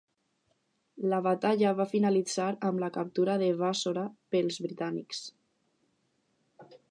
La batalla va finalitzar amb la captura de Bàssora pels britànics.